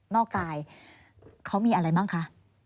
กายเขามีอะไรบ้างคะ